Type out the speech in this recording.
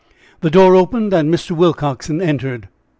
The door opened, and Mr. Willcoxen entered.